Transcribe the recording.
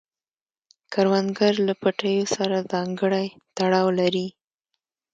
کروندګر له پټیو سره ځانګړی تړاو لري